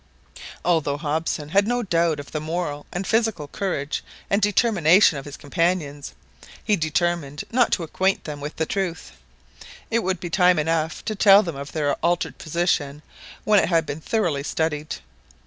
Although Hobson had no doubt of the moral and physical courage and determination of his companions, he determined not to acquaint them with the truth. It would be time enough to tell them of their altered position when it had been thoroughly studied.